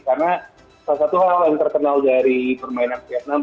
karena salah satu hal yang terkenal dari permainan vietnam